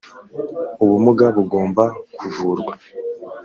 Ubumuga bugomba kuvurwa.